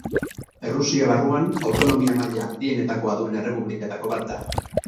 Errusia barruan autonomia-maila handienetakoa duen errepubliketako bat da.